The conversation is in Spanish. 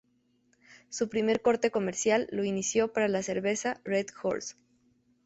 Su primer corte comercial, lo inició para la "Cerveza Red Horse".